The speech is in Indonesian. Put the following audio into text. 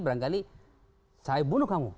barangkali saya bunuh kamu